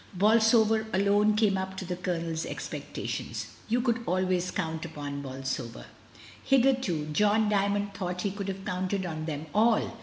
Bolsover alone came up to the Colonel's expectations; you could always count upon Bolsover. Hitherto John D)niiond thought he could have counted on them all.